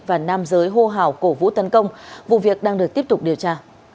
và nam giới hô hào cổ vũ tấn công vụ việc đang được tiếp tục điều tra